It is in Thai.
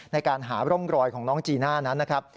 ในการหาร่องรอยของน้องจีน่านั้นนะครับ